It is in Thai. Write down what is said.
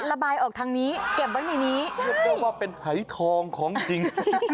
ระบายออกทางนี้เก็บไว้ในนี้ใช่เพราะว่าเป็นหายทองของจริง